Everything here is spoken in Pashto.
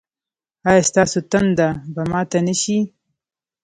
ایا ستاسو تنده به ماته نه شي؟